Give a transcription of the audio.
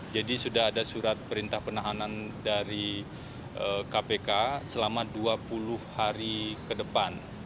jadi sudah ada surat perintah penahanan dari kpk selama dua puluh hari ke depan